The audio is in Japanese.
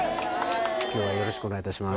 今日はよろしくお願いいたします。